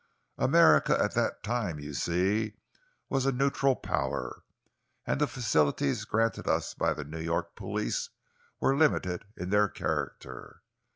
America at that time, you see, was a neutral Power, and the facilities granted us by the New York police were limited in their character.